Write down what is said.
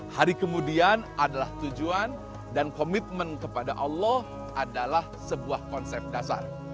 hari kemudian adalah tujuan dan komitmen kepada allah adalah sebuah konsep dasar